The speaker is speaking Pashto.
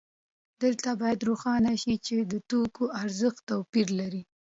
دلته باید روښانه شي چې د توکو ارزښت توپیر لري